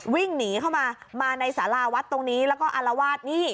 วิ่งหนีเข้ามามาในสาราวัดตรงนี้แล้วก็อารวาสนี่